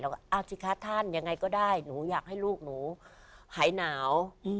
แล้วก็เอาสิคะท่านยังไงก็ได้หนูอยากให้ลูกหนูหายหนาว